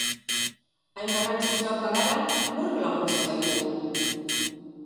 Hain garrantzitsuak bagara, nork laguntzen gaitu gu?